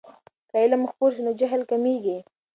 که علم خپور سي نو جهل کمېږي.